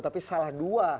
tapi salah dua